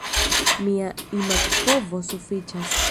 Mia imagpovo sufiĉas.